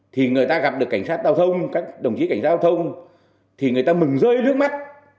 thì người ta mừng rơi nước mắt